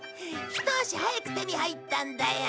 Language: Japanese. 一足早く手に入ったんだよ。